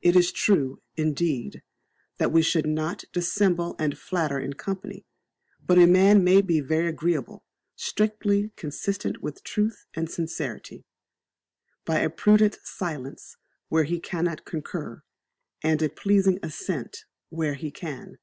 It is true, indeed, that we should not dissembie and flatter in company; but a man may be very agreeable, strictly, consistent with truth and sincerity, by a prudent silence where he cannot concur, and a pleasing assent where he can.